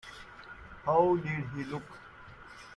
How did he look?